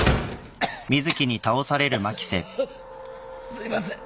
すいません